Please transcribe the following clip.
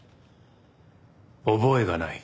覚えがない。